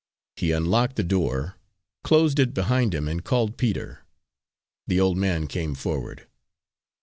He unlocked the door, closed it behind him, and called Peter. The old man came forward.